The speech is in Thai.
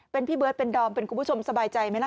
เป็นพี่เบิร์ตเป็นดอมเป็นคุณผู้ชมสบายใจไหมล่ะ